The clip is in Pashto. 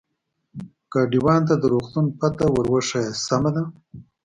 ګاډیوان ته د روغتون پته ور وښیه، سمه ده.